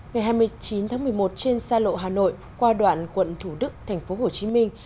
ngày hai mươi chín tháng một mươi một trên xa lộ hà nội qua đoạn quận thủ đức thành phố hồ chí minh